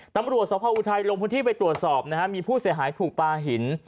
ตำรวจสภอุทัยลงพื้นที่ไปตรวจสอบนะฮะมีผู้เสียหายถูกปลาหิน